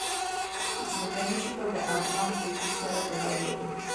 ځمکنی شکل د افغان کلتور سره تړاو لري.